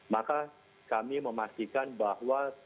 maka kami memastikan bahwa